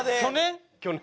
去年？